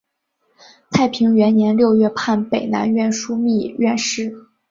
太平元年六月判北南院枢密院事。